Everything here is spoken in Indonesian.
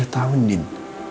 tiga tahun din